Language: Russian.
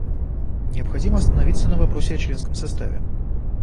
Необходимо остановиться на вопросе о членском составе.